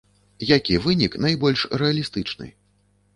Які вынік найбольш рэалістычны?